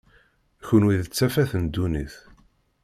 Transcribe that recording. Kenwi d tafat n ddunit.